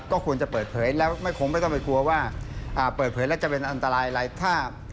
ก็ควรจะเปิดเผยแล้วไม่คงไม่ต้องไปกลัวว่าเปิดเผยแล้วจะเป็นอันตรายอะไรถ้า